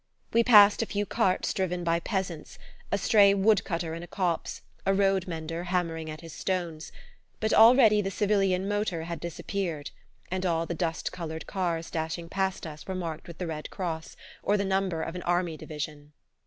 We passed a few carts driven by peasants, a stray wood cutter in a copse, a road mender hammering at his stones; but already the "civilian motor" had disappeared, and all the dust coloured cars dashing past us were marked with the Red Cross or the number of an army division.